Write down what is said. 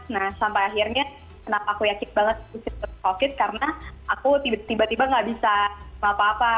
nah sampai akhirnya kenapa aku yakin banget covid karena aku tiba tiba gak bisa apa apa